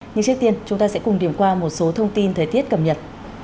nhưng trước tiên chúng ta sẽ cùng điểm qua một số thông tin thời tiết cập nhật